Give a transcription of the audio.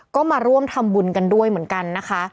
ก็มาร่วมทำบุญกันด้วยเหมือนกันนะคะ